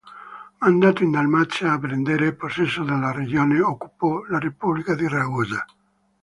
Mandato in Dalmazia a prendere possesso della regione, occupò la Repubblica di Ragusa.